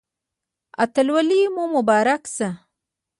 اتلولي مو مبارک شه